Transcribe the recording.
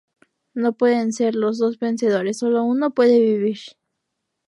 No pueden ser los dos vencedores, solo uno puede vivir.